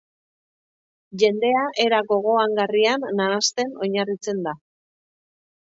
Jendea era gogoangarrian nahasten oinarritzen da.